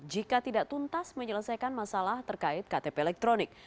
jika tidak tuntas menyelesaikan masalah terkait ktp elektronik